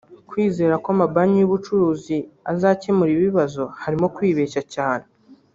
kwizera ko amabanki y’ubucuruzi ariyo azabakemurira ibibazo harimo kwibeshya cyane